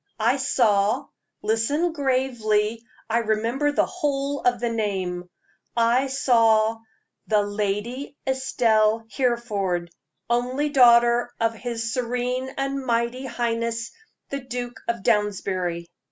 "I saw listen gravely I remember the whole of the name I saw the Lady Estelle Hereford, only daughter of his serene and mighty highness, the Duke of Downsbury."